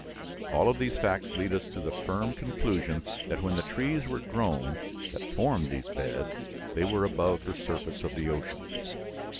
All of these facts lead us to the firm conclusion that when the trees were grown that formed these beds they were above the surface of the ocean.